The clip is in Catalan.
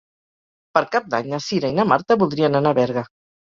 Per Cap d'Any na Cira i na Marta voldrien anar a Berga.